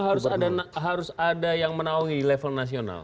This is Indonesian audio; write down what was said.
berarti idealnya memang harus ada yang menawangi di level nasional